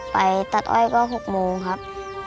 ไปตัดอ้อยก็๖โมงครับ